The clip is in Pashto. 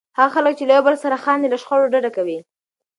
هغه خلک چې له یو بل سره خاندي، له شخړو ډډه کوي.